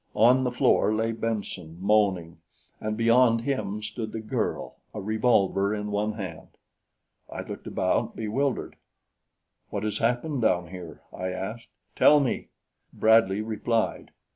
On the floor lay Benson, moaning, and beyond him stood the girl, a revolver in one hand. I looked about, bewildered. "What has happened down here?" I asked. "Tell me!" Bradley replied.